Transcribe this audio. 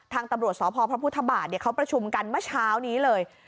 ทางตำรวจสพพระพุทธบาทเขาประชุมกันเมื่อเช้านี้เลย